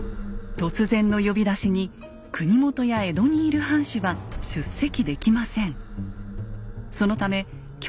突然の呼び出しに国元や江戸にいる藩主は出席できません。